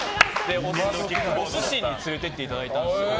お寿司に連れて行っていただいたんですけど。